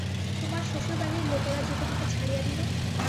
তোমার শ্বশুরবাড়ির লোকেরা যে তোমাকে ছাড়িয়া দিল!